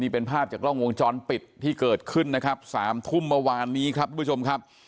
เป็นภาพจากกล้องวงจรปิดที่เกิดขึ้นนะครับ๓ทุ่มเมื่อวานนี้ครับทุกผู้ชมครับ